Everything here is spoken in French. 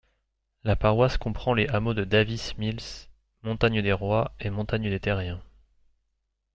La paroisse comprend les hameaux de Davis Mills, Montagne-des-Roy et Montagne-des-Therrien.